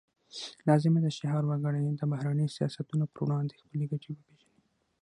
لازمه ده چې هر وګړی د بهرني سیاستونو پر وړاندې خپلې ګټې وپیژني